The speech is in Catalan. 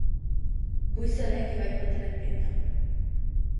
Vull saber qui va inventar la impremta.